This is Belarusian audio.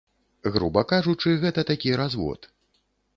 Груба кажучы, гэта такі развод.